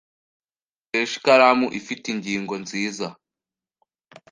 Akoresha ikaramu ifite ingingo nziza.